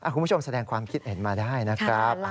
คุณผู้ชมแสดงความคิดเห็นมาได้นะครับ